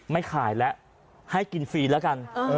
ไม่ขายแล้วให้กินฟรีแล้วกัน